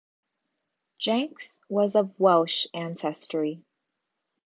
Jenks was of Welsh ancestry.